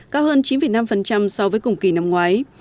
cao hơn chín năm so với cùng kỳ năm ngoái